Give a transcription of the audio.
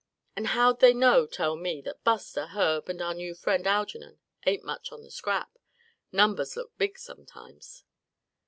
"And how'd they know, tell me, that Buster, Herb and our new friend, Algernon, ain't much on the scrap? Numbers look big, sometimes."